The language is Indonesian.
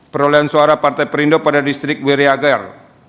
perolehan suara partai perindo pada distrik wiriager